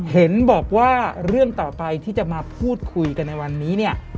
เห็นบอกว่าเรื่องต่อไปที่จะมาพูดคุยกันในวันนี้เนี่ย